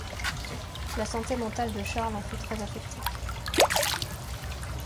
La santé mentale de Charles en fut très affectée.